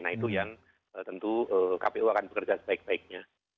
nah itu yang tentu kpu akan bekerja sebaik baiknya